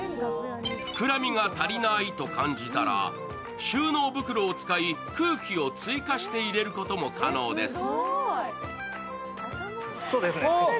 膨らみが足りないと感じたら、収納袋を使い空気を追加して入れることも可能です。